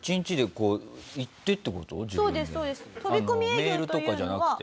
メールとかじゃなくて？